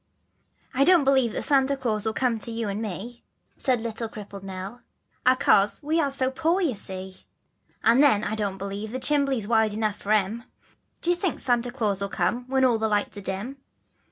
I DONT believe that Santa Glaus will come to you and m e, Said little crippled Nell, " a'cause, we are so poor you see; And then I don't believe the 'chimbley's' wide enough for him, D'ye think that Santa Glaus will come, when all the lights are dim.